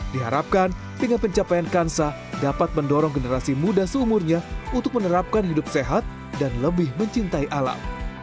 diharapkan dengan pencapaian kansa dapat mendorong generasi muda seumurnya untuk menerapkan hidup sehat dan lebih mencintai alam